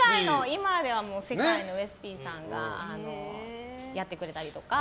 今では世界のウエスＰさんがやってくれたりとか。